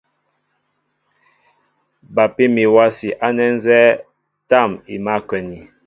Bapí mi wási ánɛ nzɛ́ɛ́ tâm i mǎl a kwɛni.